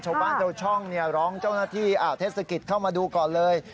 ชาวบ้านชาวช่องร้องเจ้าหน้าที่เทศกิจเข้ามาดูก่อนเลย